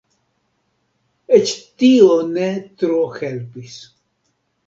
Eĉ tio ne tro helpis.